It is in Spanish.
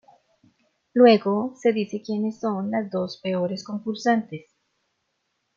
Luego, se decide quienes son las dos peores concursantes.